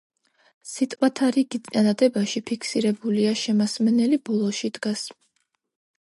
სიტყვათა რიგი წინადადებაში ფიქსირებულია, შემასმენელი ბოლოში დგას.